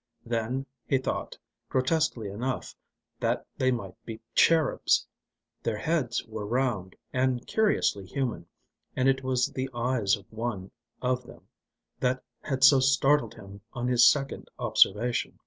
Then he thought, grotesquely enough, that they might be cherubs. Their heads were round, and curiously human, and it was the eyes of one of them that had so startled him on his second observation.